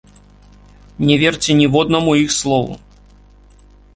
Не верце ніводнаму іх слову!